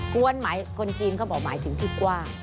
วนหมายคนจีนเขาบอกหมายถึงที่กว้าง